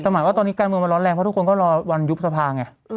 แต่หมายว่าตอนนี้การเมืองมันร้อนแรงเพราะทุกคนก็รอวันยุบสภาไง